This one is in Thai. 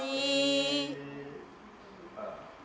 มีทางมากด้วยเวรื่องเมานอ่าน